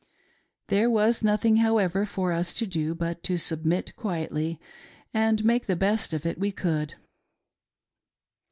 Thete Was nothing, however, fot us to do but to Subniit qtiietly and make the best of it we could.